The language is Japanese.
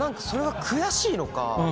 それが悔しいのか